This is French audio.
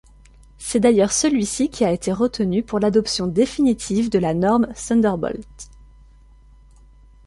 C'est d'ailleurs celui-ci qui a été retenu pour l'adoption définitive de la norme Thunderbolt.